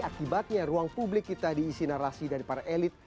akibatnya ruang publik kita diisi narasi dari para elit